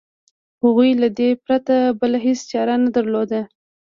هغوی له دې پرته بله هېڅ چاره نه درلوده.